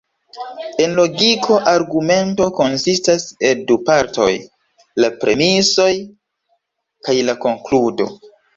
En logiko argumento konsistas el du partoj: la premisoj kaj la konkludo.